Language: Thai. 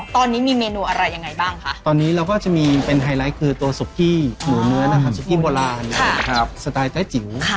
ตอนนี้มีเมนูอะไรยังไงบ้างคะตอนนี้เราก็จะมีเป็นไฮไลท์คือตัวสุกี้หมูเนื้อนะครับสุกี้โบราณสไตล์ไต้จิ๋ว